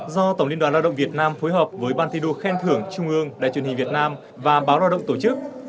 do tổng liên đoàn lao động việt nam phối hợp với ban thi đua khen thưởng trung ương đài truyền hình việt nam và báo lao động tổ chức